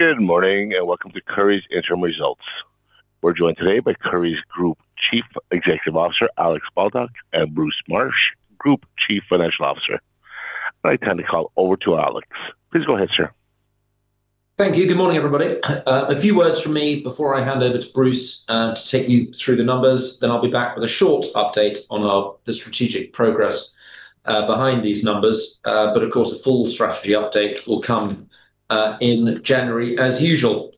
Good morning and welcome to Currys Interim Results. We're joined today by Currys Group Chief Executive Officer Alex Baldock and Bruce Marsh, Group Chief Financial Officer. I'd like to hand the call over to Alex. Please go ahead, sir. Thank you. Good morning, everybody. A few words from me before I hand over to Bruce to take you through the numbers, then I'll be back with a short update on the strategic progress behind these numbers. But, of course, a full strategy update will come in January, as usual.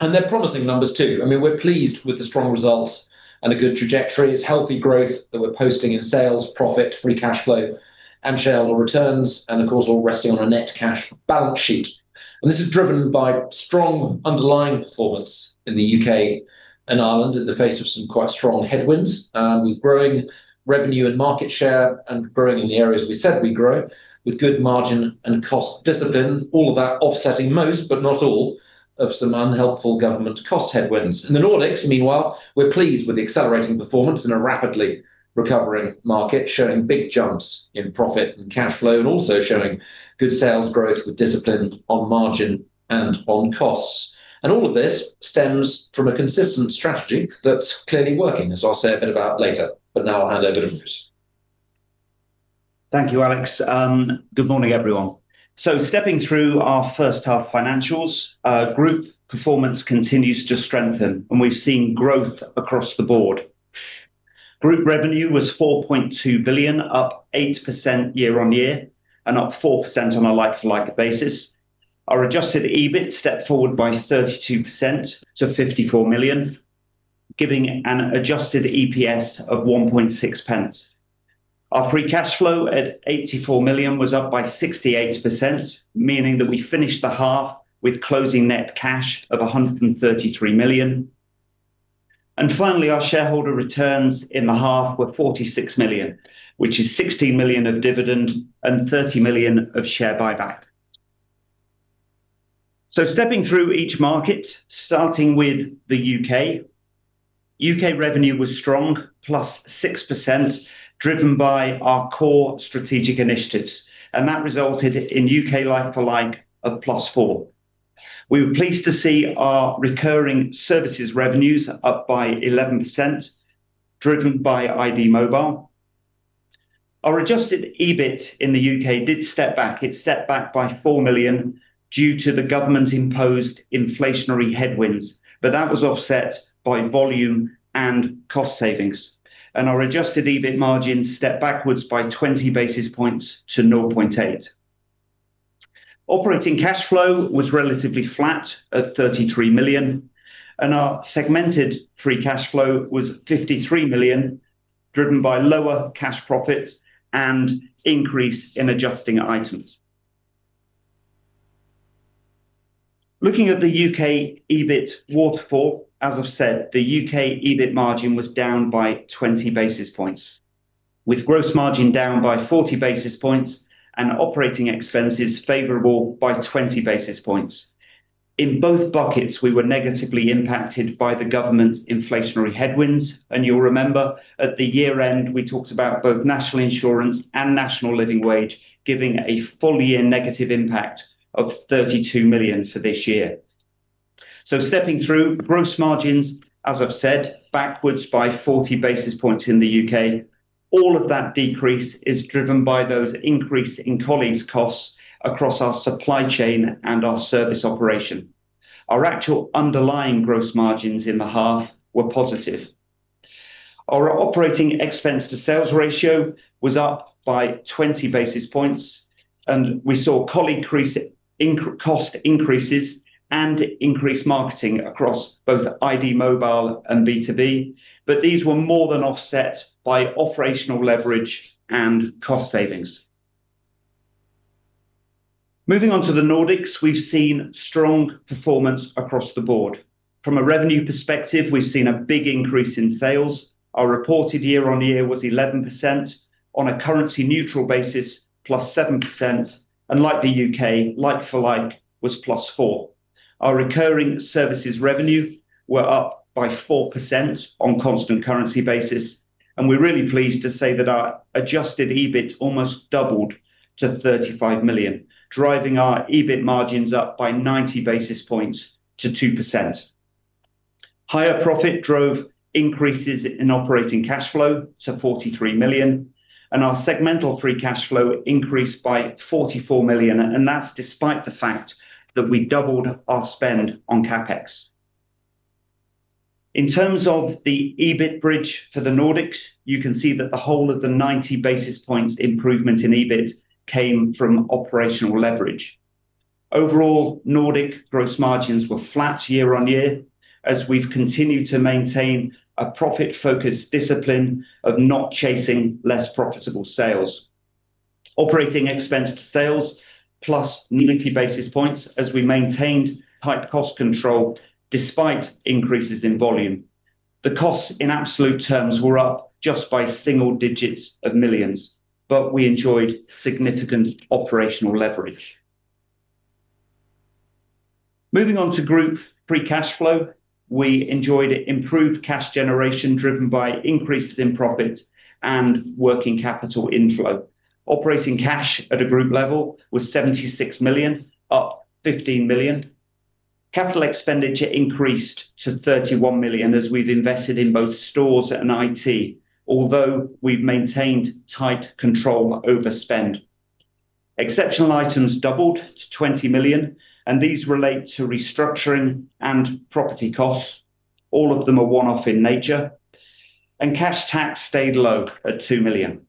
And they're promising numbers, too. I mean, we're pleased with the strong results and a good trajectory. It's healthy growth that we're posting in sales, profit, free cash flow, and shareholder returns, and, of course, all resting on a net cash balance sheet. And this is driven by strong underlying performance in the U.K. and Ireland in the face of some quite strong headwinds, with growing revenue and market share and growing in the areas we said we grow, with good margin and cost discipline, all of that offsetting most, but not all, of some unhelpful government cost headwinds. In the Nordics, meanwhile, we're pleased with the accelerating performance in a rapidly recovering market, showing big jumps in profit and cash flow, and also showing good sales growth with discipline on margin and on costs. And all of this stems from a consistent strategy that's clearly working, as I'll say a bit about later. But now I'll hand over to Bruce. Thank you, Alex. Good morning, everyone. So stepping through our first-half financials, group performance continues to strengthen, and we've seen growth across the board. Group revenue was 4.2 billion, up 8% year-on-year, and up 4% on a like-for-like basis. Our adjusted EBIT stepped forward by 32% to 54 million, giving an adjusted EPS of 0.016. Our free cash flow at 84 million was up by 68%, meaning that we finished the half with closing net cash of 133 million. And finally, our shareholder returns in the half were 46 million, which is 16 million of dividend and 30 million of share buyback. So, stepping through each market, starting with the U.K., U.K. revenue was strong, +6%, driven by our core strategic initiatives. And that resulted in U.K. like-for-like of +4%. We were pleased to see our recurring services revenues up by 11%, driven by iD Mobile. Our adjusted EBIT in the U.K. did step back. It stepped back by 4 million due to the government's imposed inflationary headwinds, but that was offset by volume and cost savings. And our adjusted EBIT margin stepped backwards by 20 basis points to 0.8%. Operating cash flow was relatively flat at 33 million, and our segmented free cash flow was 53 million, driven by lower cash profits and increase in adjusting items. Looking at the U.K. EBIT waterfall, as I've said, the U.K. EBIT margin was down by 20 basis points, with gross margin down by 40 basis points and operating expenses favorable by 20 basis points. In both buckets, we were negatively impacted by the government's inflationary headwinds. You'll remember, at the year-end, we talked about both National Insurance and National Living Wage giving a full-year negative impact of 32 million for this year. So stepping through gross margins, as I've said, backwards by 40 basis points in the U.K., all of that decrease is driven by those increases in colleagues' costs across our supply chain and our service operation. Our actual underlying gross margins in the half were positive. Our operating expense-to-sales ratio was up by 20 basis points, and we saw cost increases and increased marketing across both iD Mobile and B2B. But these were more than offset by operational leverage and cost savings. Moving on to the Nordics, we've seen strong performance across the board. From a revenue perspective, we've seen a big increase in sales. Our reported year-on-year was 11% on a currency-neutral basis, plus 7%. Unlike the U.K., like-for-like was +4. Our recurring services revenue were up by 4% on a constant currency basis. We're really pleased to say that our adjusted EBIT almost doubled to 35 million, driving our EBIT margins up by 90 basis points to 2%. Higher profit drove increases in operating cash flow to 43 million, and our segmental free cash flow increased by 44 million. That's despite the fact that we doubled our spend on CapEx. In terms of the EBIT bridge for the Nordics, you can see that the whole of the 90 basis points improvement in EBIT came from operational leverage. Overall, Nordic gross margins were flat year-on-year, as we've continued to maintain a profit-focused discipline of not chasing less profitable sales. Operating expense-to-sales plus 90 basis points as we maintained tight cost control despite increases in volume. The costs in absolute terms were up just by single digits of millions, but we enjoyed significant operational leverage. Moving on to group free cash flow, we enjoyed improved cash generation driven by increases in profit and working capital inflow. Operating cash at a group level was 76 million, up 15 million. Capital expenditure increased to 31 million as we've invested in both stores and IT, although we've maintained tight control over spend. Exceptional items doubled to 20 million, and these relate to restructuring and property costs. All of them are one-off in nature, and cash tax stayed low at 2 million.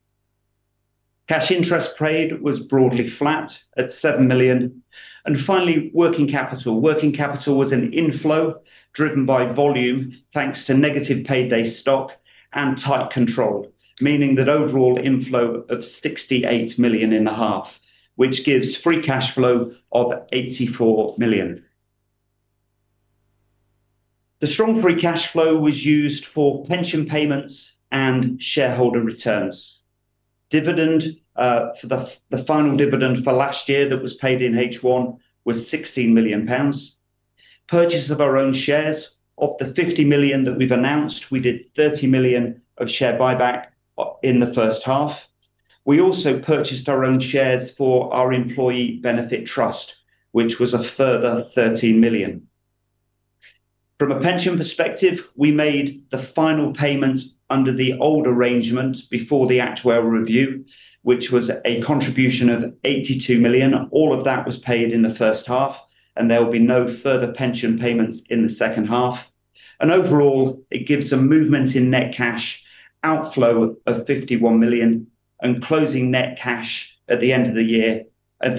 Cash interest paid was broadly flat at 7 million, and finally, working capital. Working capital was an inflow driven by volume thanks to negative payday stock and tight control, meaning that overall inflow of 68.5 million, which gives free cash flow of 84 million. The strong free cash flow was used for pension payments and shareholder returns. Dividend for the final dividend for last year that was paid in H1 was 16 million pounds. Purchase of our own shares of the 50 million that we've announced, we did 30 million of share buyback in the first half. We also purchased our own shares for our Employee Benefit Trust, which was a further 30 million. From a pension perspective, we made the final payment under the old arrangement before the actuarial review, which was a contribution of 82 million. All of that was paid in the first half, and there will be no further pension payments in the second half. And overall, it gives a movement in net cash outflow of 51 million and closing net cash at the end of the year,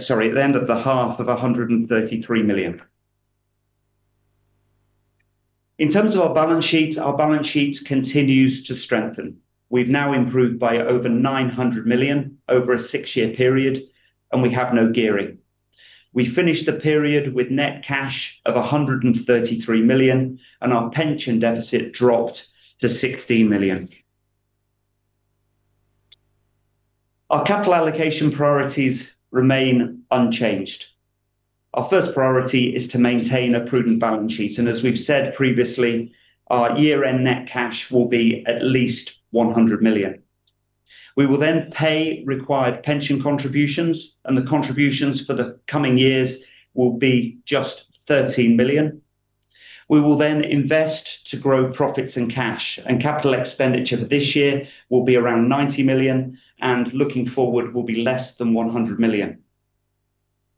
sorry, at the end of the half of 133 million. In terms of our balance sheets, our balance sheet continues to strengthen. We've now improved by over 900 million over a six-year period, and we have no gearing. We finished the period with net cash of 133 million, and our pension deficit dropped to 16 million. Our capital allocation priorities remain unchanged. Our first priority is to maintain a prudent balance sheet. And as we've said previously, our year-end net cash will be at least 100 million. We will then pay required pension contributions, and the contributions for the coming years will be just 13 million. We will then invest to grow profits and cash, and capital expenditure for this year will be around 90 million, and looking forward, will be less than 100 million.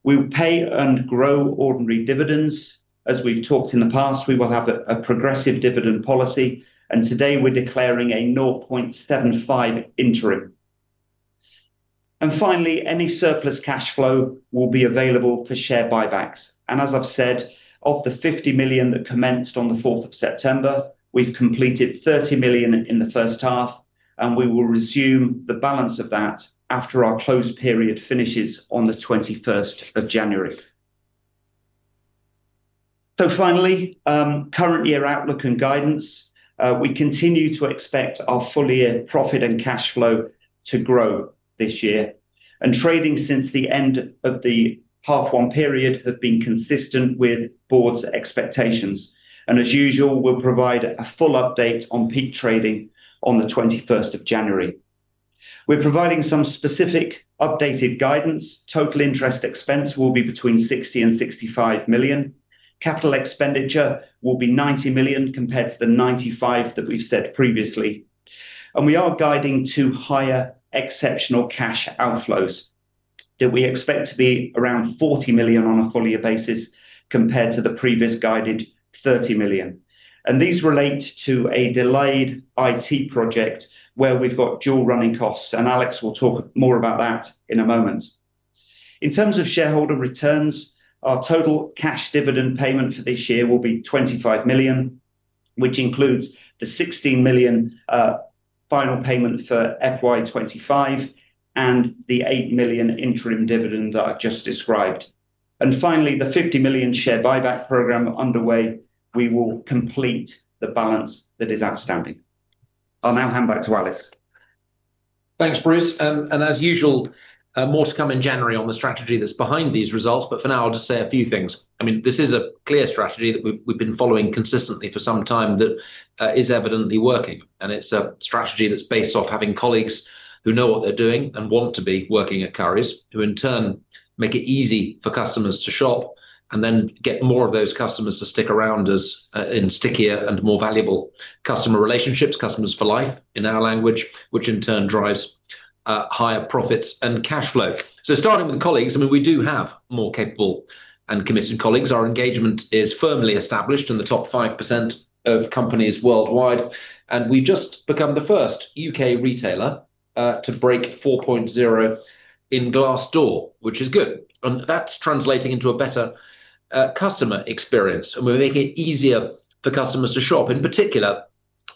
We'll pay and grow ordinary dividends. As we've talked in the past, we will have a progressive dividend policy, and today we're declaring a 0.75 interim. And finally, any surplus cash flow will be available for share buybacks. And as I've said, of the 50 million that commenced on the 4th of September, we've completed 30 million in the first half, and we will resume the balance of that after our close period finishes on the 21st of January. So finally, current year outlook and guidance, we continue to expect our full-year profit and cash flow to grow this year. And trading since the end of the half-one period has been consistent with Board's expectations. And as usual, we'll provide a full update on peak trading on the 21st of January. We're providing some specific updated guidance. Total interest expense will be between 60 million and 65 million. Capital expenditure will be 90 million compared to the 95 that we've said previously, and we are guiding to higher exceptional cash outflows that we expect to be around 40 million on a full-year basis compared to the previous guided 30 million. These relate to a delayed IT project where we've got dual running costs, and Alex will talk more about that in a moment. In terms of shareholder returns, our total cash dividend payment for this year will be 25 million, which includes the 16 million final payment for FY 2025 and the 8 million interim dividend that I've just described. Finally, the 50 million share buyback program underway, we will complete the balance that is outstanding. I'll now hand back to Alex. Thanks, Bruce. And as usual, more to come in January on the strategy that's behind these results. But for now, I'll just say a few things. I mean, this is a clear strategy that we've been following consistently for some time that is evidently working. And it's a strategy that's based off having colleagues who know what they're doing and want to be working at Currys, who in turn make it easy for customers to shop and then get more of those customers to stick around us in stickier and more valuable customer relationships, customers for life in our language, which in turn drives higher profits and cash flow. So starting with colleagues, I mean, we do have more capable and committed colleagues. Our engagement is firmly established in the top 5% of companies worldwide. And we've just become the first U.K. retailer to break 4.0 in Glassdoor, which is good. And that's translating into a better customer experience. And we're making it easier for customers to shop, in particular,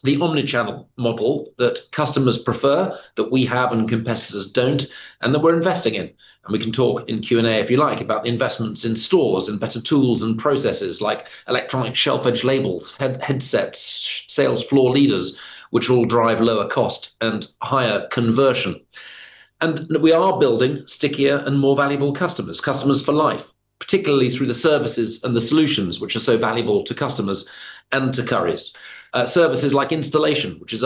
the omnichannel model that customers prefer that we have and competitors don't, and that we're investing in. And we can talk in Q&A if you like about the investments in stores and better tools and processes like electronic shelf edge labels, headsets, sales floor leaders, which will drive lower cost and higher conversion. And we are building stickier and more valuable customers, customers for life, particularly through the services and the solutions which are so valuable to customers and to Currys. Services like installation, which has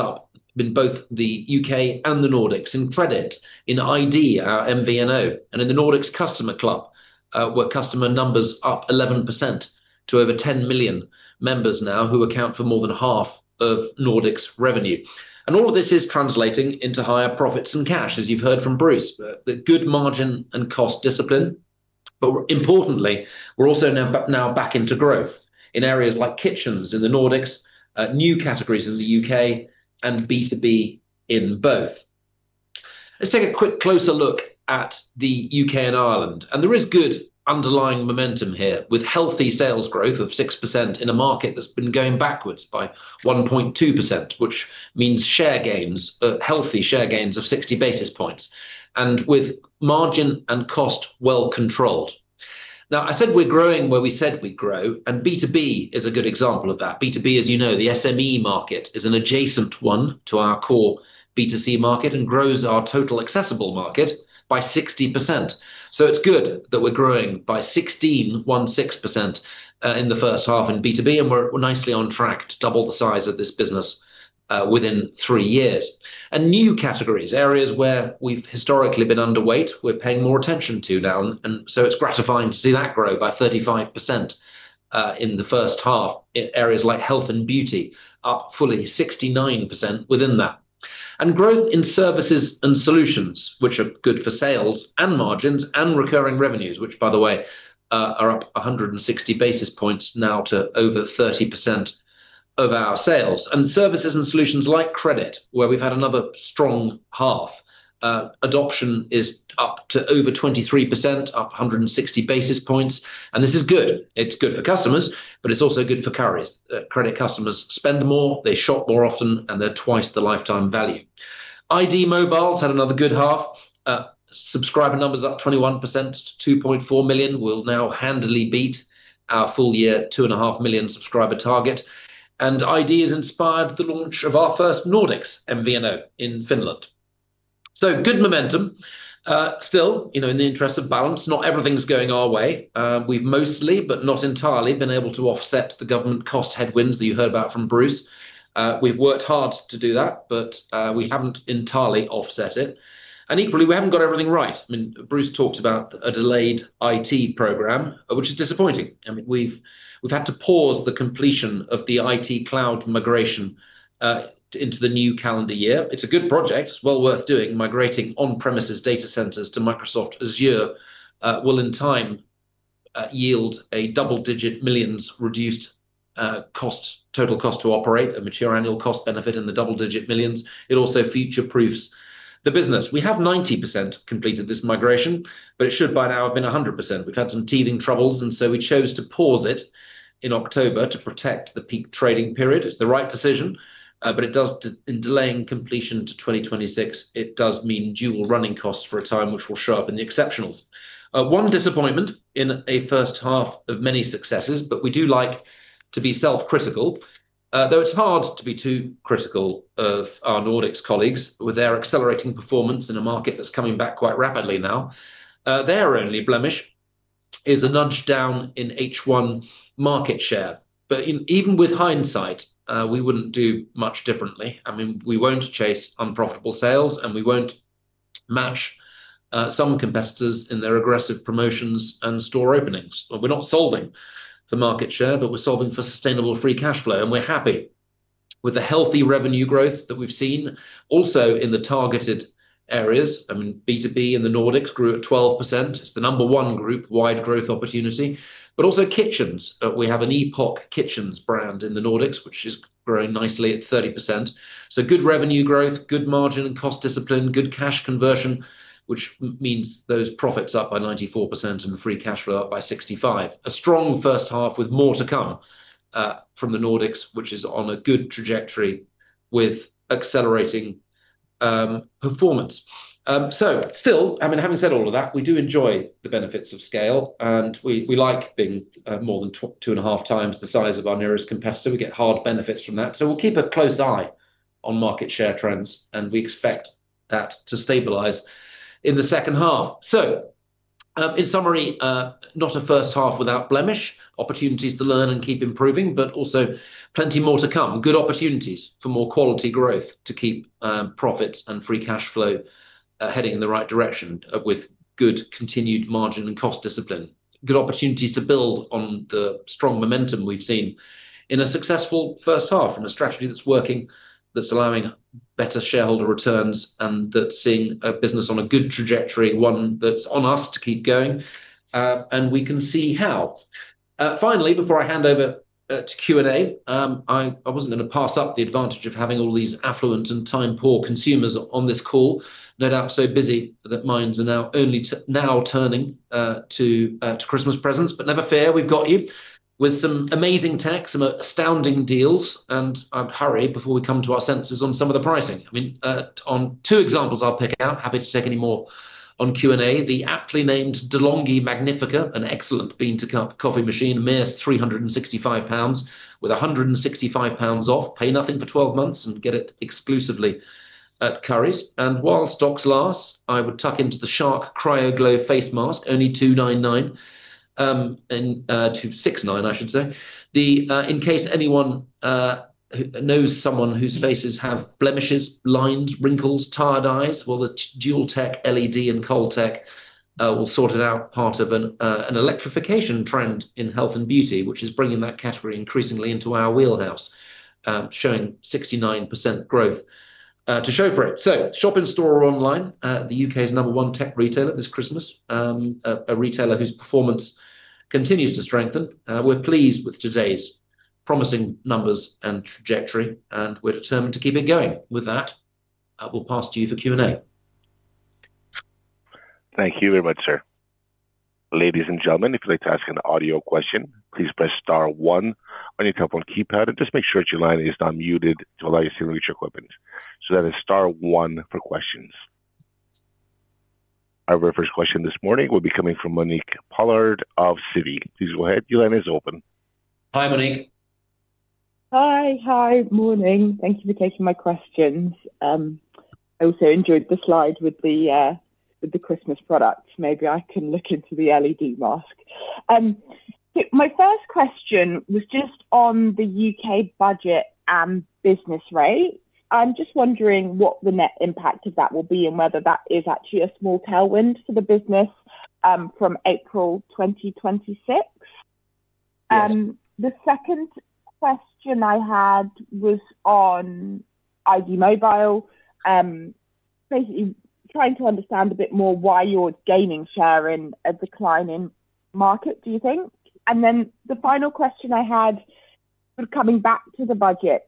been both the U.K. and the Nordics in credit, in iD, our MVNO, and in theNordics Customer Club, where customer numbers up 11% to over 10 million members now who account for more than half of Nordics revenue, and all of this is translating into higher profits and cash, as you've heard from Bruce, the good margin and cost discipline, but importantly, we're also now back into growth in areas like kitchens in the Nordics, new categories in the U.K., and B2B in both. Let's take a quick closer look at the U.K. and Ireland, there is good underlying momentum here with healthy sales growth of 6% in a market that's been going backwards by 1.2%, which means share gains, healthy share gains of 60 basis points, and with margin and cost well controlled. Now, I said we're growing where we said we'd grow, and B2B is a good example of that. B2B, as you know, the SME market is an adjacent one to our core B2C market and grows our total accessible market by 60%. So it's good that we're growing by 16.16% in the first half in B2B, and we're nicely on track to double the size of this business within three years. And new categories, areas where we've historically been underweight, we're paying more attention to now. And so it's gratifying to see that grow by 35% in the first half. Areas like health and beauty up fully 69% within that. And growth in Services and Solutions, which are good for sales and margins and recurring revenues, which, by the way, are up 160 basis points now to over 30% of our sales. Services and solutions like credit, where we've had another strong half, adoption is up to over 23%, up 160 basis points. This is good. It's good for customers, but it's also good for Currys. Credit customers spend more, they shop more often, and they're twice the lifetime value. iD Mobile's had another good half. Subscriber numbers up 21% to 2.4 million. We'll now handily beat our full-year 2.5 million subscriber target. iD has inspired the launch of our first Nordics MVNO in Finland. Good momentum. Still, in the interest of balance, not everything's going our way. We've mostly, but not entirely, been able to offset the government cost headwinds that you heard about from Bruce. We've worked hard to do that, but we haven't entirely offset it. Equally, we haven't got everything right. I mean, Bruce talked about a delayed IT program, which is disappointing. I mean, we've had to pause the completion of the IT cloud migration into the new calendar year. It's a good project, well worth doing. Migrating on-premises data centers to Microsoft Azure will in time yield a double-digit millions reduced total cost to operate, a mature annual cost benefit in the double-digit millions. It also future-proofs the business. We have 90% completed this migration, but it should by now have been 100%. We've had some teething troubles, and so we chose to pause it in October to protect the peak trading period. It's the right decision, but in delaying completion to 2026, it does mean dual running costs for a time, which will show up in the exceptionals. One disappointment in a first half of many successes, but we do like to be self-critical, though it's hard to be too critical of our Nordics colleagues with their accelerating performance in a market that's coming back quite rapidly now. Their only blemish is a nudge down in H1 market share. But even with hindsight, we wouldn't do much differently. I mean, we won't chase unprofitable sales, and we won't match some competitors in their aggressive promotions and store openings. We're not solving for market share, but we're solving for sustainable free cash flow. And we're happy with the healthy revenue growth that we've seen also in the targeted areas. I mean, B2B in the Nordics grew at 12%. It's the number one group, wide growth opportunity. But also kitchens. We have an Epoq Kitchens brand in the Nordics, which is growing nicely at 30%. So, good revenue growth, good margin and cost discipline, good cash conversion, which means those profits up by 94% and free cash flow up by 65. A strong first half with more to come from the Nordics, which is on a good trajectory with accelerating performance. So still, I mean, having said all of that, we do enjoy the benefits of scale, and we like being more than 2.5x the size of our nearest competitor. We get hard benefits from that. So we'll keep a close eye on market share trends, and we expect that to stabilize in the second half. So in summary, not a first half without blemish, opportunities to learn and keep improving, but also plenty more to come. Good opportunities for more quality growth to keep profits and free cash flow heading in the right direction with good continued margin and cost discipline. Good opportunities to build on the strong momentum we've seen in a successful first half and a strategy that's working, that's allowing better shareholder returns, and that's seeing a business on a good trajectory, one that's on us to keep going. And we can see how. Finally, before I hand over to Q&A, I wasn't going to pass up the advantage of having all these affluent and time-poor consumers on this call. No doubt so busy that minds are now turning to Christmas presents. But never fear, we've got you with some amazing techs, some astounding deals. And I'd hurry before we come to our senses on some of the pricing. I mean, on two examples I'll pick out, happy to take any more on Q&A. The aptly named De'Longhi Magnifica, an excellent bean-to-cup coffee machine, is 365 pounds with 165 pounds off. Pay nothing for 12 months and get it exclusively at Currys. And while stocks last, I would tuck into the Shark CryoGlow face mask, only GBP 2.99GBP 6.9, I should say. In case anyone knows someone whose faces have blemishes, lines, wrinkles, tired eyes, well, the dual tech LED and cold tech will sort it out, part of an electrification trend in health and beauty, which is bringing that category increasingly into our wheelhouse, showing 69% growth to show for it, so shop in store or online. The U.K.'s number one tech retailer this Christmas, a retailer whose performance continues to strengthen. We're pleased with today's promising numbers and trajectory, and we're determined to keep it going. With that, we'll pass to you for Q&A. Thank you very much, sir. Ladies and gentlemen, if you'd like to ask an audio question, please press star one on your telephone keypad, and just make sure your line is not muted to allow you to reach equipment. So that is star one for questions. Our very first question this morning will be coming from Monique Pollard of Citi. Please go ahead. Your line is open. Hi, Monique. Hi, hi. Morning. Thank you for taking my questions. I also enjoyed the slide with the Christmas product. Maybe I can look into the LED mask. My first question was just on the U.K. Budget and business rate. I'm just wondering what the net impact of that will be and whether that is actually a small tailwind for the business from April 2026. The second question I had was on iD Mobile, basically trying to understand a bit more why you're gaining share in a declining market, do you think? And then the final question I had was coming back to the budget.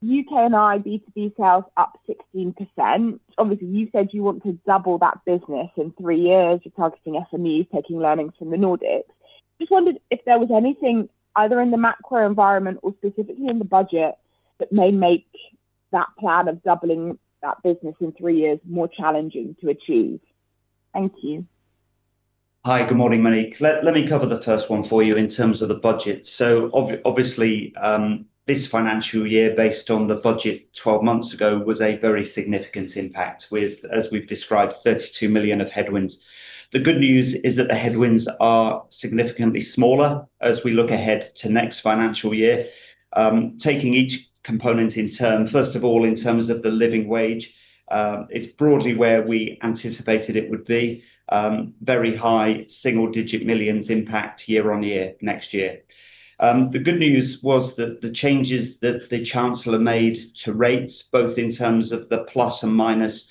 U.K. and Ireland B2B sales up 16%. Obviously, you said you want to double that business in three years. You're targeting SMEs, taking learnings from the Nordics. Just wondered if there was anything either in the macro environment or specifically in the budget that may make that plan of doubling that business in three years more challenging to achieve. Thank you. Hi, good morning, Monique. Let me cover the first one for you in terms of the budget. So obviously, this financial year based on the budget 12 months ago was a very significant impact with, as we've described, 32 million of headwinds. The good news is that the headwinds are significantly smaller as we look ahead to next financial year. Taking each component in turn, first of all, in terms of the living wage, it's broadly where we anticipated it would be. Very high single-digit millions impact year-on-year-next-year. The good news was that the changes that the Chancellor made to rates, both in terms of the ±500,000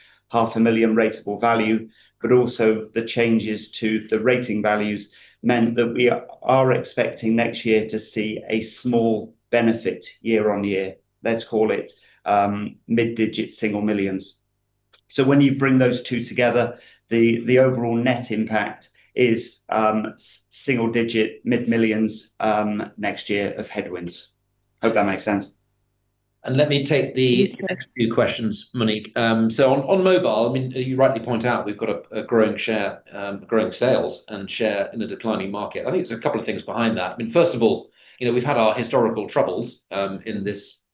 rateable value, but also the changes to the rating values meant that we are expecting next year to see a small benefit year-on-year. Let's call it mid-digit single millions. So when you bring those two together, the overall net impact is single-digit mid-millions next year of headwinds. Hope that makes sense. And let me take the next few questions, Monique. So on mobile, I mean, you rightly point out we've got a growing share, growing sales and share in a declining market. I think there's a couple of things behind that. I mean, first of all, we've had our historical troubles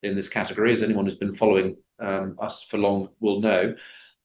in this category, as anyone who's been following us for long will know.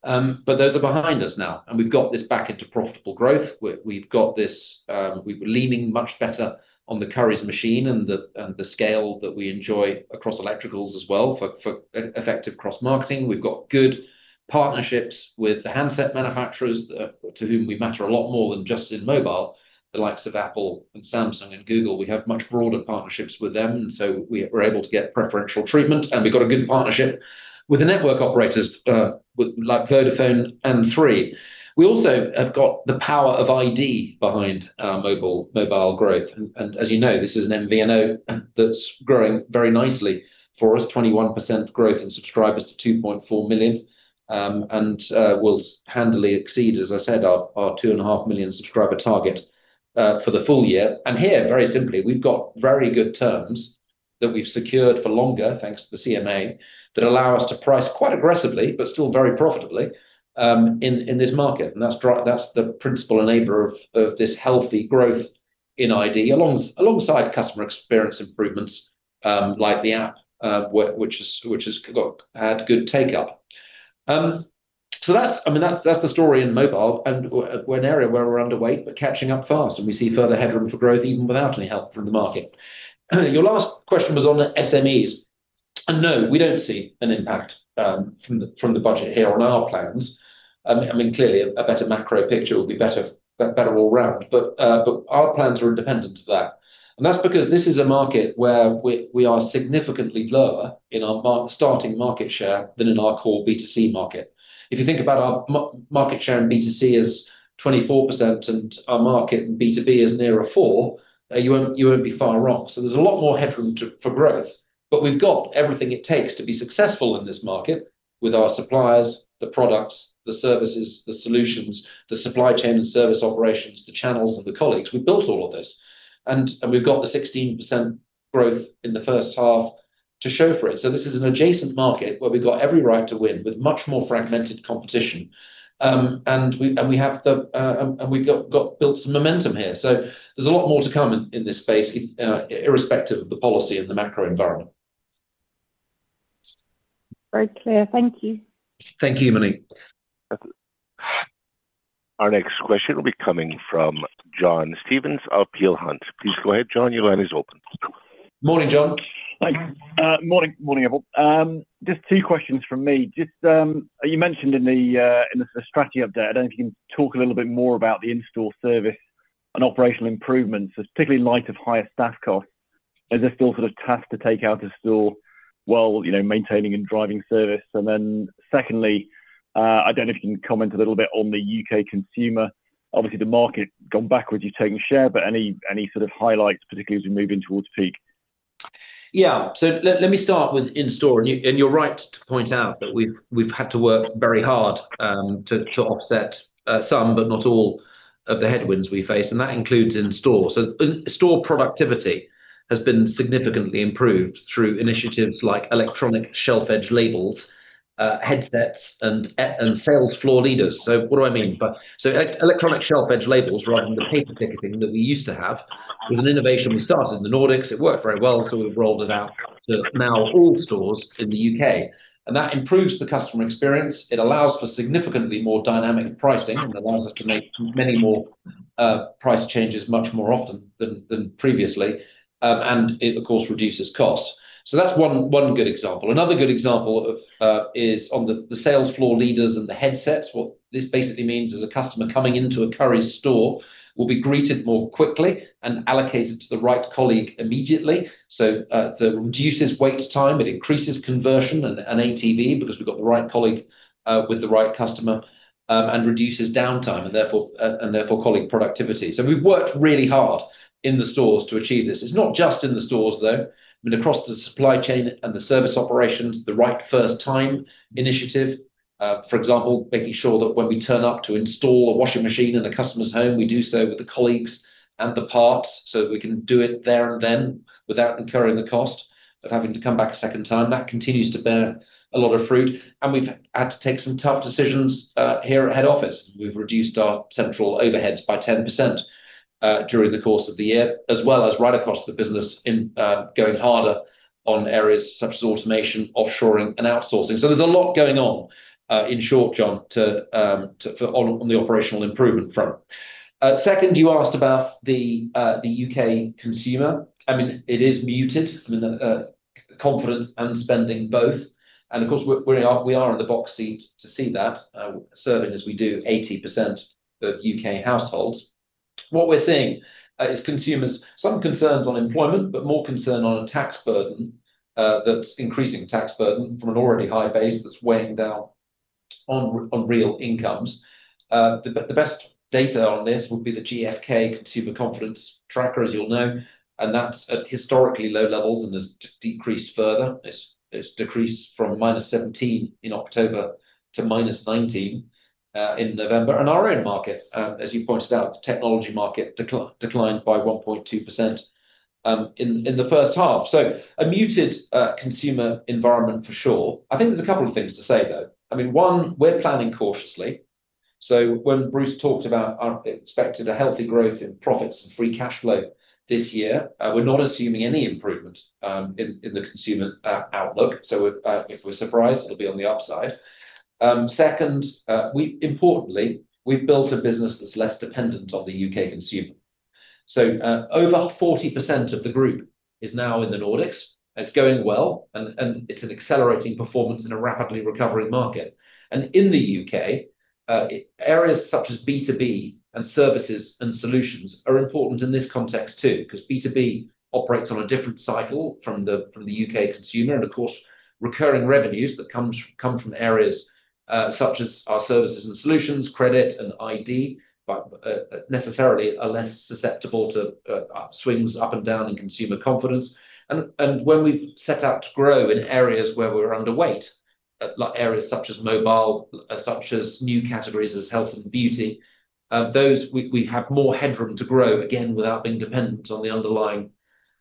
But those are behind us now. And we've got this back into profitable growth. We've got this leaning much better on the Currys machine and the scale that we enjoy across electricals as well for effective cross-marketing. We've got good partnerships with the handset manufacturers to whom we matter a lot more than just in mobile, the likes of Apple and Samsung, and Google. We have much broader partnerships with them, and so we're able to get preferential treatment. We've got a good partnership with the network operators like Vodafone and Three. We also have got the power of iD behind mobile growth. And as you know, this is an MVNO that's growing very nicely for us, 21% growth in subscribers to 2.4 million. We'll handily exceed, as I said, our two and a half million subscriber target for the full year. Here, very simply, we've got very good terms that we've secured for longer thanks to the CMA that allow us to price quite aggressively, but still very profitably in this market. That's the principal enabler of this healthy growth in iD alongside customer experience improvements like the app, which has had good take-up. I mean, that's the story in mobile. And we're in an area where we're underweight, but catching up fast. And we see further headroom for growth even without any help from the market. Your last question was on SMEs. And no, we don't see an impact from the budget here on our plans. I mean, clearly, a better macro picture would be better all around. But our plans are independent of that. And that's because this is a market where we are significantly lower in our starting market share than in our core B2C market. If you think about our market share in B2C as 24% and our market in B2B as near a 4%, you won't be far wrong. So there's a lot more headroom for growth. But we've got everything it takes to be successful in this market with our suppliers, the products, the services, the solutions, the supply chain and service operations, the channels and the colleagues. We built all of this. And we've got the 16% growth in the first half to show for it. So this is an adjacent market where we've got every right to win with much more fragmented competition. And we've got built some momentum here. So there's a lot more to come in this space, irrespective of the policy and the macro environment. Very clear. Thank you. Thank you, Monique. Our next question will be coming from John Stevenson of Peel Hunt. Please go ahead, John. Your line is open. Morning, John. Morning, everyone. Just three questions from me. Just you mentioned in the strategy update, I don't know if you can talk a little bit more about the in-store service and operational improvements, particularly in light of higher staff costs. Is there still sort of tasks to take out of store, while maintaining and driving service? And then secondly, I don't know if you can comment a little bit on the U.K. consumer. Obviously, the market has gone backwards. You've taken share, but any sort of highlights, particularly as we move in towards peak? Yeah. So let me start with in-store, and you're right to point out that we've had to work very hard to offset some, but not all, of the headwinds we face, and that includes in-store, so store productivity has been significantly improved through initiatives like electronic shelf edge labels, headsets, and sales floor leaders, so what do I mean? Electronic shelf edge labels, rather than the paper ticketing that we used to have was an innovation we started in the Nordics. It worked very well, so we've rolled it out to now all stores in the U.K., and that improves the customer experience. It allows for significantly more dynamic pricing and allows us to make many more price changes much more often than previously, and it, of course, reduces cost, so that's one good example. Another good example is on the sales floor leaders and the headsets. What this basically means is a customer coming into a Currys store will be greeted more quickly and allocated to the right colleague immediately. So it reduces wait time. It increases conversion and ATV because we've got the right colleague with the right customer, and reduces downtime and therefore colleague productivity. So we've worked really hard in the stores to achieve this. It's not just in the stores, though. I mean, across the supply chain and the service operations, the right first-time initiative, for example, making sure that when we turn up to install a washing machine in the customer's home, we do so with the colleagues and the parts so that we can do it there and then without incurring the cost of having to come back a second time. That continues to bear a lot of fruit. We've had to take some tough decisions here at head office. We've reduced our central overheads by 10% during the course of the year, as well as right across the business going harder on areas such as automation, offshoring, and outsourcing. So there's a lot going on in short, John, on the operational improvement front. Second, you asked about the U.K. consumer. I mean, it is muted. I mean, confidence and spending both. And of course, we are in the box seat to see that, serving as we do 80% of U.K. households. What we're seeing is consumers, some concerns on employment, but more concern on a tax burden that's increasing from an already high base that's weighing down on real incomes. The best data on this would be the GfK consumer confidence tracker, as you'll know. And that's at historically low levels and has decreased further. It's decreased from -17 in October to -19 in November. And our own market, as you pointed out, the technology market declined by 1.2% in the first half. So a muted consumer environment for sure. I think there's a couple of things to say, though. I mean, one, we're planning cautiously. So when Bruce talked about expected a healthy growth in profits and free cash flow this year, we're not assuming any improvement in the consumer outlook. So if we're surprised, it'll be on the upside. Second, importantly, we've built a business that's less dependent on the U.K. consumer. So over 40% of the group is now in the Nordics. It's going well. And it's an accelerating performance in a rapidly recovering market. And in the U.K., areas such as B2B and services and solutions are important in this context too because B2B operates on a different cycle from the U.K. consumer. And of course, recurring revenues that come from areas such as our services and solutions, credit and iD, necessarily are less susceptible to swings up and down in consumer confidence. And when we've set out to grow in areas where we're underweight, like areas such as mobile, such as new categories as health and beauty, we have more headroom to grow again without being dependent on the underlying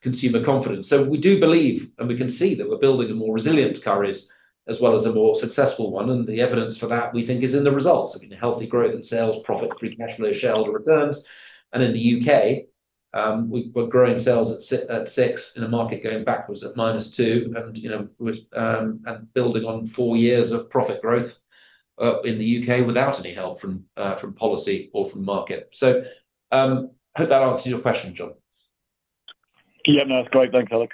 consumer confidence. So we do believe, and we can see that we're building a more resilient Currys as well as a more successful one. And the evidence for that, we think, is in the results. I mean, healthy growth in sales, profit, free cash flow, shareholder returns. In the U.K., we're growing sales at six in a market going backwards at minus two and building on four years of profit growth in the U.K. without any help from policy or from market. I hope that answers your question, John. Yeah, no, that's great. Thanks, Alex.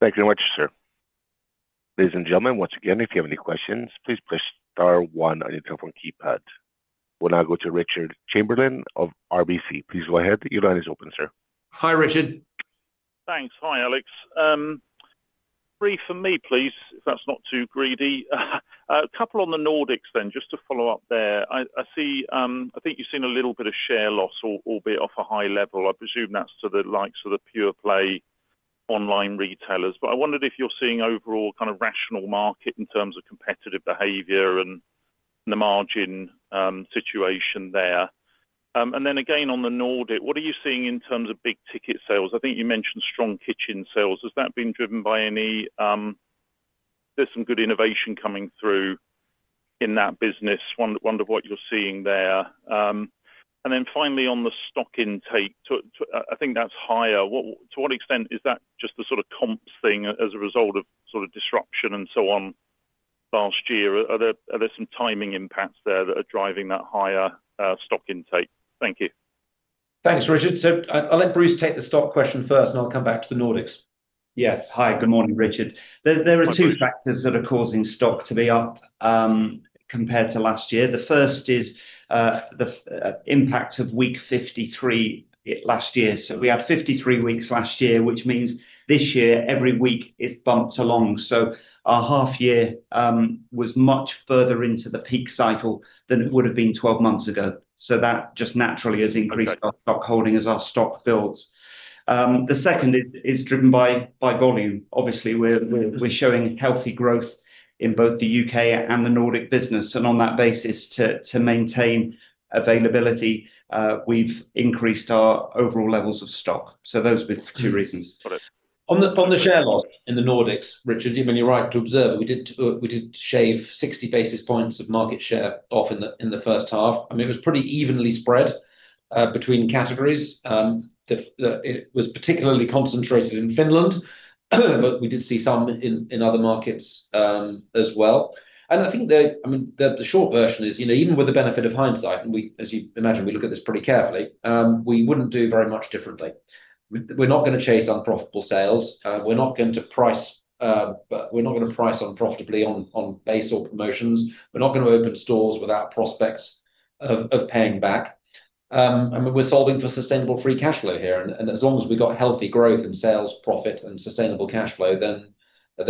Thanks very much, sir. Ladies and gentlemen, once again, if you have any questions, please press star one on your telephone keypad. We'll now go to Richard Chamberlain of RBC. Please go ahead. Your line is open, sir. Hi, Richard. Thanks. Hi, Alex. Brief for me, please, if that's not too greedy. A couple on the Nordics then, just to follow up there. I think you've seen a little bit of share loss, albeit off a high level. I presume that's to the likes of the pure-play online retailers. But I wondered if you're seeing overall kind of rational market in terms of competitive behavior and the margin situation there. And then again, on the Nordic, what are you seeing in terms of big ticket sales? I think you mentioned strong kitchen sales. Has that been driven by any there's some good innovation coming through in that business? Wonder what you're seeing there. And then finally, on the stock intake, I think that's higher. To what extent is that just a sort of comps thing as a result of sort of disruption and so on last year? Are there some timing impacts there that are driving that higher stock intake? Thank you. Thanks, Richard. So I'll let Bruce take the stock question first, and I'll come back to the Nordics. Yes. Hi, good morning, Richard. There are two factors that are causing stock to be up compared to last year. The first is the impact of Week 53 last year. So we had 53 weeks last year, which means this year every week is bumped along. So our half-year was much further into the peak cycle than it would have been 12 months ago. So that just naturally has increased our stock holding as our stock builds. The second is driven by volume. Obviously, we're showing healthy growth in both the U.K. and the Nordic business. And on that basis, to maintain availability, we've increased our overall levels of stock. So those were two reasons. On the share loss in the Nordics, Richard, I mean, you're right to observe. We did shave 60 basis points of market share off in the first half. I mean, it was pretty evenly spread between categories. It was particularly concentrated in Finland, but we did see some in other markets as well. And I think the short version is, even with the benefit of hindsight, and as you imagine, we look at this pretty carefully, we wouldn't do very much differently. We're not going to chase unprofitable sales. We're not going to price unprofitably on base or promotions. We're not going to open stores without prospects of paying back. I mean, we're solving for sustainable free cash flow here. And as long as we've got healthy growth in sales, profit, and sustainable cash flow, then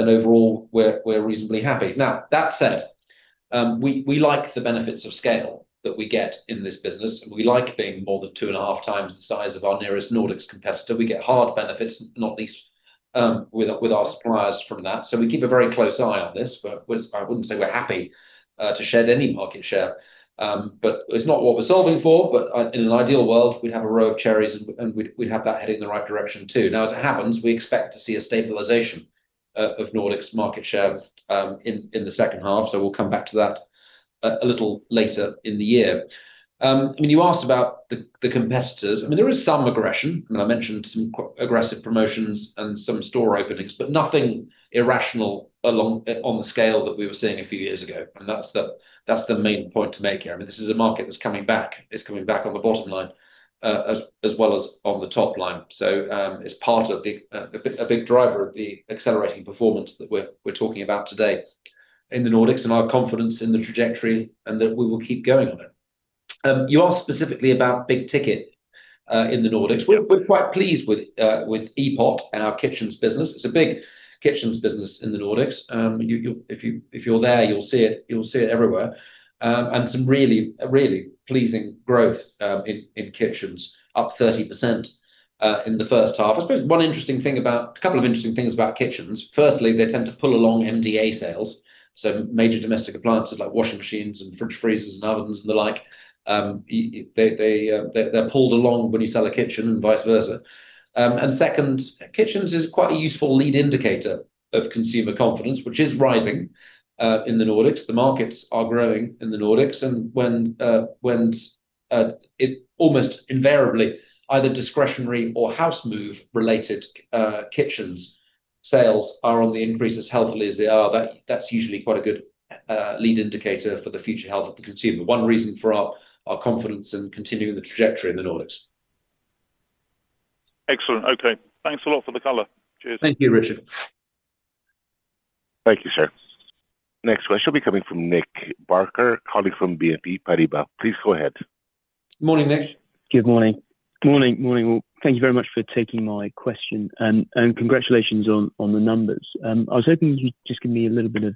overall, we're reasonably happy. Now, that said, we like the benefits of scale that we get in this business. We like being more than two and a half times the size of our nearest Nordics competitor. We get hard benefits, not least with our suppliers from that. So we keep a very close eye on this. I wouldn't say we're happy to shed any market share. But it's not what we're solving for. But in an ideal world, we'd have a row of cherries, and we'd have that heading in the right direction too. Now, as it happens, we expect to see a stabilization of Nordics' market share in the second half. So we'll come back to that a little later in the year. I mean, you asked about the competitors. I mean, there is some aggression. I mean, I mentioned some aggressive promotions and some store openings, but nothing irrational on the scale that we were seeing a few years ago. And that's the main point to make here. I mean, this is a market that's coming back. It's coming back on the bottom line as well as on the top line. So it's part of a big driver of the accelerating performance that we're talking about today in the Nordics and our confidence in the trajectory, and that we will keep going on it. You asked specifically about big ticket in the Nordics. We're quite pleased with Epoq and our kitchens business. It's a big kitchens business in the Nordics. If you're there, you'll see it everywhere. And some really, really pleasing growth in kitchens, up 30% in the first half. I suppose one interesting thing about a couple of interesting things about kitchens. Firstly, they tend to pull along MDA sales, so major domestic appliances like washing machines and fridge freezers and ovens, and the like, they're pulled along when you sell a kitchen and vice versa, and second, kitchens is quite a useful lead indicator of consumer confidence, which is rising in the Nordics. The markets are growing in the Nordics, and when it almost invariably either discretionary or house move-related kitchens sales are on the increase as healthily as they are, that's usually quite a good lead indicator for the future health of the consumer. One reason for our confidence in continuing the trajectory in the Nordics. Excellent. Okay. Thanks a lot for the color. Cheers. Thank you, Richard. Thank you, sir. Next question will be coming from Nick Barker, colleague from BNP Paribas. Please go ahead. Good morning, Nick. Good morning. Thank you very much for taking my question, and congratulations on the numbers. I was hoping you could just give me a little bit of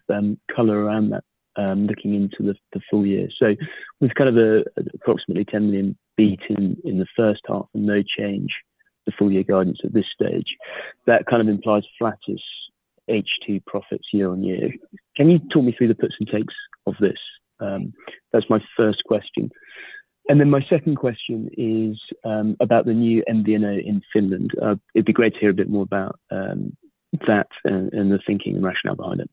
color around that, looking into the full year. So we've kind of approximately 10 million beat in the first half and no change the full year guidance at this stage. That kind of implies flatter H2 profits year-on-year. Can you talk me through the puts and takes of this? That's my first question, and then my second question is about the new MVNO in Finland. It'd be great to hear a bit more about that and the thinking and rationale behind it.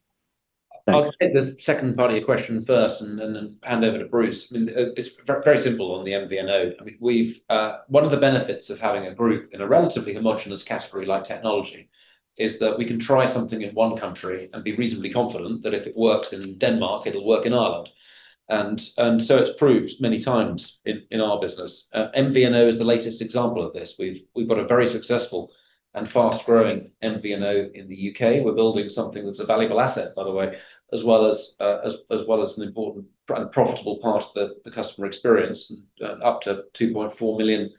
I'll take the second part of your question first and then hand over to Bruce. I mean, it's very simple on the MVNO. I mean, one of the benefits of having a group in a relatively homogenous category like technology is that we can try something in one country and be reasonably confident that if it works in Denmark, it'll work in Ireland. And so it's proved many times in our business. MVNO is the latest example of this. We've got a very successful and fast-growing MVNO in the U.K. We're building something that's a valuable asset, by the way, as well as an important and profitable part of the customer experience, and up to 2.4 million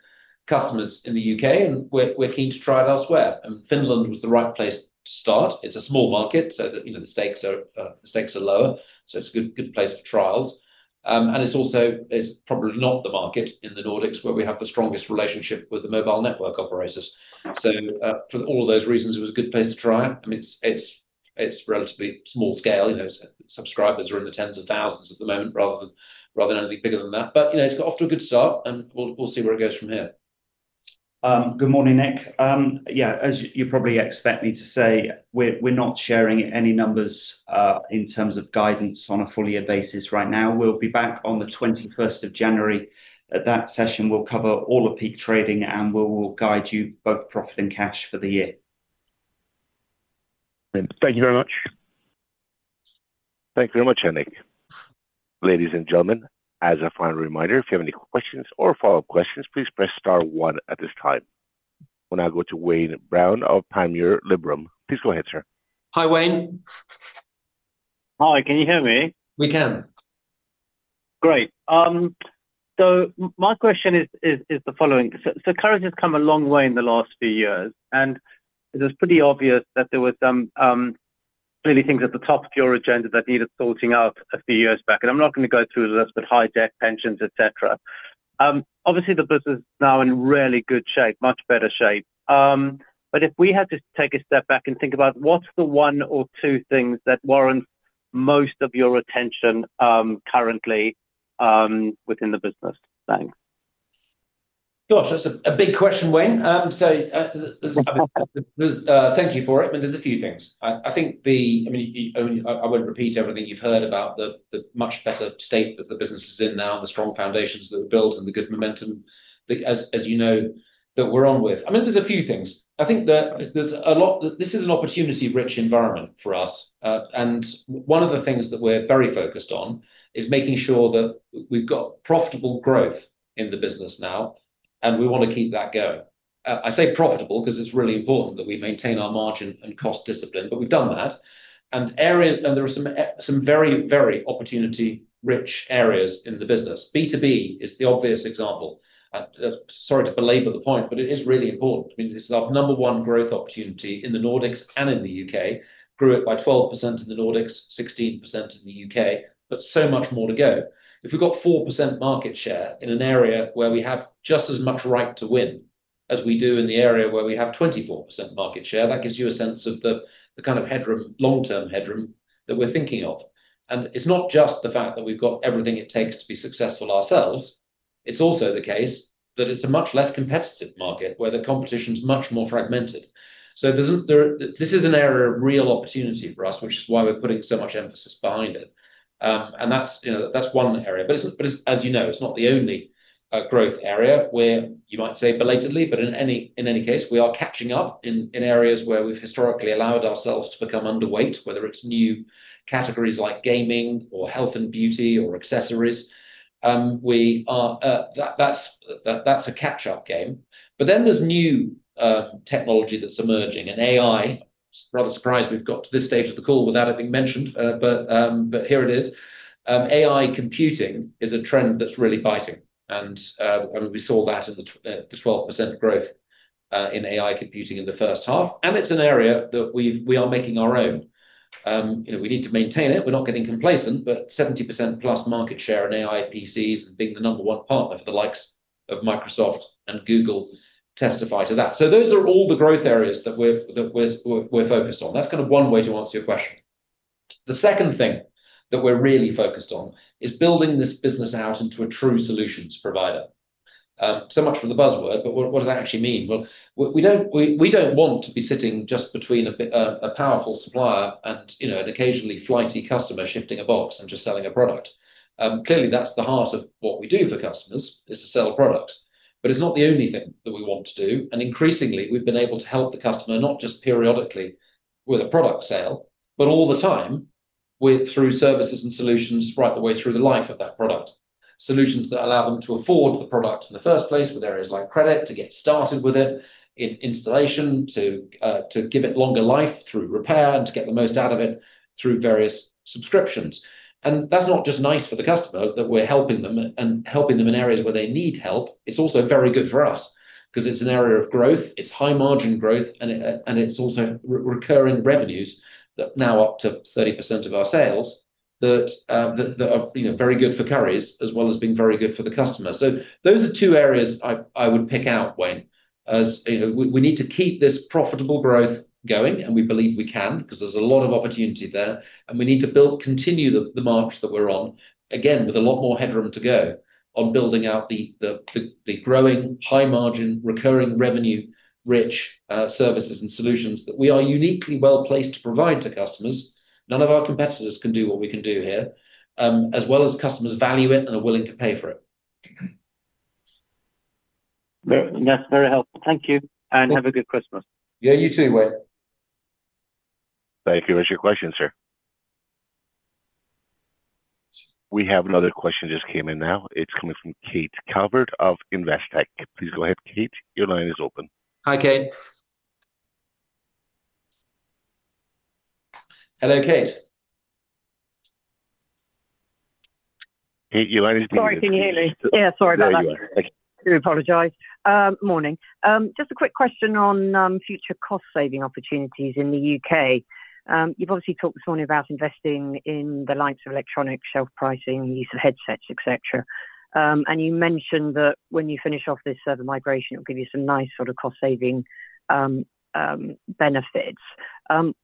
customers in the U.K. And we're keen to try it elsewhere. And Finland was the right place to start. It's a small market, so the stakes are lower. So it's a good place for trials. And it's also probably not the market in the Nordics where we have the strongest relationship with the mobile network operators. So for all of those reasons, it was a good place to try it. I mean, it's relatively small-scale. Subscribers are in the tens of thousands at the moment rather than anything bigger than that. But it's got off to a good start, and we'll see where it goes from here. Good morning, Nick. Yeah, as you probably expect me to say, we're not sharing any numbers in terms of guidance on a full-year basis right now. We'll be back on the 21st of January. At that session, we'll cover all of peak trading, and we will guide you both profit and cash for the year. Thank you very much. Thank you very much, Nick. Ladies and gentlemen, as a final reminder, if you have any questions or follow-up questions, please press star one at this time. We'll now go to Wayne Brown of Panmure Liberum. Please go ahead, sir. Hi, Wayne. Hi. Can you hear me? We can. Great. So my question is the following. So Currys has come a long way in the last few years. It was pretty obvious that there were clearly things at the top of your agenda that needed sorting out a few years back. I'm not going to go through the list, but high tech, pensions, etc. Obviously, the business is now in really good shape, much better shape. If we had to take a step back and think about what's the one or two things that warrant most of your attention currently within the business? Thanks. Gosh, that's a big question, Wayne. So thank you for it. I mean, there's a few things. I think, I mean, I won't repeat everything you've heard about the much better state that the business is in now, the strong foundations that were built, and the good momentum, as you know, that we're on with. I mean, there's a few things. I think that there's a lot. This is an opportunity-rich environment for us. And one of the things that we're very focused on is making sure that we've got profitable growth in the business now, and we want to keep that going. I say profitable because it's really important that we maintain our margin and cost discipline, but we've done that. And there are some very, very opportunity-rich areas in the business. B2B is the obvious example. Sorry to belabor the point, but it is really important. I mean, this is our number one growth opportunity in the Nordics and in the U.K. Grew it by 12% in the Nordics, 16% in the U.K., but so much more to go. If we've got 4% market share in an area where we have just as much right to win as we do in the area where we have 24% market share, that gives you a sense of the kind of long-term headroom that we're thinking of, and it's not just the fact that we've got everything it takes to be successful ourselves. It's also the case that it's a much less competitive market where the competition is much more fragmented, so this is an area of real opportunity for us, which is why we're putting so much emphasis behind it, and that's one area. But as you know, it's not the only growth area where you might say belatedly, but in any case, we are catching up in areas where we've historically allowed ourselves to become underweight, whether it's new categories like gaming or health and beauty, or accessories. That's a catch-up game. But then there's new technology that's emerging. And AI, rather surprised, we've got to this stage of the call without it being mentioned, but here it is. AI computing is a trend that's really biting. And we saw that in the 12% growth in AI computing in the first half. And it's an area that we are making our own. We need to maintain it. We're not getting complacent, but 70%+ market share in AI PCs and being the number one partner for the likes of Microsoft and Google testify to that. So those are all the growth areas that we're focused on. That's kind of one way to answer your question. The second thing that we're really focused on is building this business out into a true solutions provider. So much for the buzzword, but what does that actually mean? Well, we don't want to be sitting just between a powerful supplier and an occasionally flighty customer, shifting a box and just selling a product. Clearly, that's the heart of what we do for customers is to sell products. But it's not the only thing that we want to do. And increasingly, we've been able to help the customer not just periodically with a product sale, but all the time through services and solutions right the way through the life of that product. Solutions that allow them to afford the product in the first place with areas like credit to get started with it, in installation, to give it longer life through repair, and to get the most out of it through various subscriptions, and that's not just nice for the customer that we're helping them in areas where they need help. It's also very good for us because it's an area of growth. It's high margin growth, and it's also recurring revenues that now up to 30% of our sales that are very good for Currys as well as being very good for the customer, so those are two areas I would pick out, Wayne. We need to keep this profitable growth going, and we believe we can because there's a lot of opportunity there. And we need to continue the march that we're on, again, with a lot more headroom to go on building out the growing, high-margin, recurring revenue-rich services and solutions that we are uniquely well placed to provide to customers. None of our competitors can do what we can do here, as well as customers value it and are willing to pay for it. That's very helpful. Thank you. And have a good Christmas. Yeah, you too, Wayne. Thank you. What's your question, sir? We have another question just came in now. It's coming from Kate Calvert of Investec. Please go ahead, Kate. Your line is open. Hi, Kate. Hello, Kate. Kate, your line is being. Sorry, can you hear me? Yeah, sorry about that. I do. I do apologize. Morning. Just a quick question on future cost-saving opportunities in the U.K. You've obviously talked this morning about investing in the likes of electronic shelf pricing, use of headsets, etc. And you mentioned that when you finish off this server migration, it'll give you some nice sort of cost-saving benefits.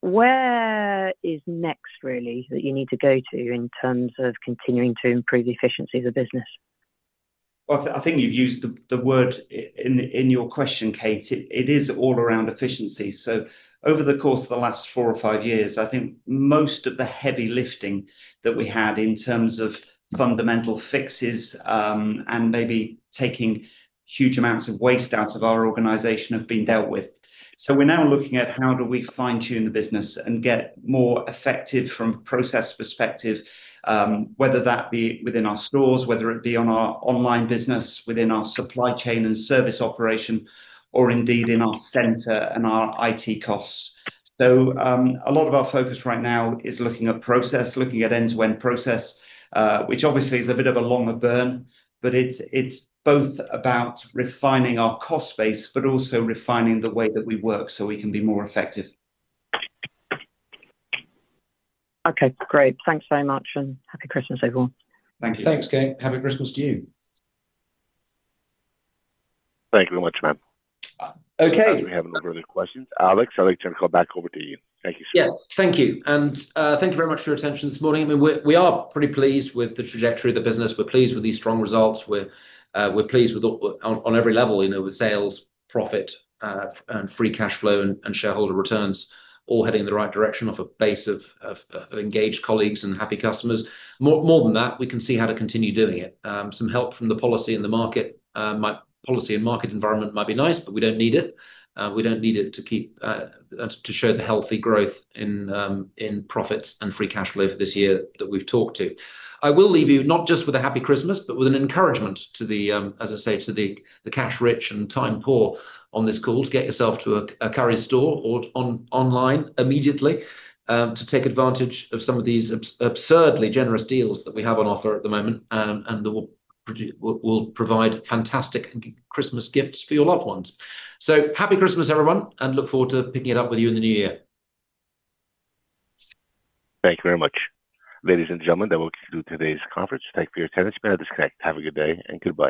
Where is next, really, that you need to go to in terms of continuing to improve the efficiency of the business? I think you've used the word in your question, Kate. It is all around efficiency. Over the course of the last four or five years, I think most of the heavy lifting that we had in terms of fundamental fixes and maybe taking huge amounts of waste out of our organization have been dealt with. We're now looking at how do we fine-tune the business and get more effective from a process perspective, whether that be within our stores, whether it be on our online business, within our supply chain and service operation, or indeed in our center and our IT costs. So a lot of our focus right now is looking at process, looking at end-to-end process, which obviously is a bit of a longer burn, but it's both about refining our cost base, but also refining the way that we work so we can be more effective. Okay. Great. Thanks very much, and Happy Christmas, everyone. Thank you. Thanks, Kate. Happy Christmas to you. Thank you very much, man. Okay. We have a number of questions. Alex, I'd like to call back over to you. Thank you so much. Yes, thank you. And thank you very much for your attention this morning. I mean, we are pretty pleased with the trajectory of the business. We're pleased with these strong results. We're pleased on every level with sales, profit, and free cash flow, and shareholder returns all heading in the right direction off a base of engaged colleagues and happy customers. More than that, we can see how to continue doing it. Some help from the policy and the market environment might be nice, but we don't need it. We don't need it to show the healthy growth in profits and free cash flow for this year that we've talked to. I will leave you not just with a Happy Christmas, but with an encouragement, as I say, to the cash-rich and time-poor on this call to get yourself to a Currys store or online immediately to take advantage of some of these absurdly generous deals that we have on offer at the moment and that will provide fantastic Christmas gifts for your loved ones. So Happy Christmas, everyone, and look forward to picking it up with you in the new year. Thank you very much. Ladies and gentlemen, that will conclude today's conference. Thank you for your attention. I'll disconnect. Have a good day and goodbye.